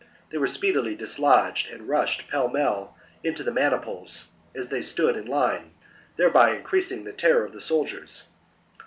They were speedily dislodged and rushed pell mell into the maniples as they stood in line, thereby increasing the terror of the soldiers.